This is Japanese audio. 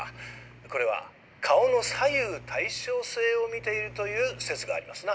これは顔の左右対称性を見ているという説がありますな。